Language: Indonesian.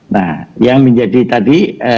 nah yang menjadi tadi